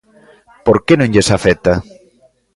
Por que non lles afecta?